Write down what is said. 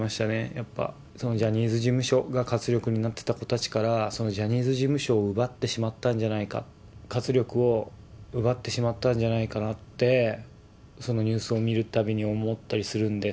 やっぱそのジャニーズ事務所が活力になってた子たちから、そのジャニーズ事務所を奪ってしまったんじゃないか、活力を奪ってしまったんじゃないかなって、そのニュースを見るたびに思ったりするんで。